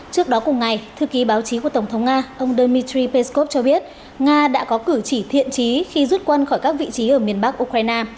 trước đó cùng ngày thư ký báo chí của tổng thống nga ông dmitry peskov cho biết nga đã có cử chỉ thiện trí khi rút quân khỏi các vị trí ở miền bắc ukraine